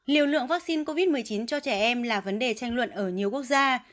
liều lượng vaccine covid một mươi chín cho trẻ em là vấn đề tranh luận ở nhiều quốc gia